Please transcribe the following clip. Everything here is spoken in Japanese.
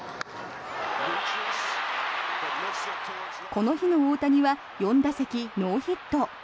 この日の大谷は４打席ノーヒット。